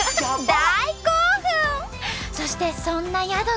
そしてそんな宿で。